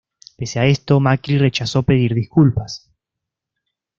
Pese a esto, Macri rechazó pedir disculpas.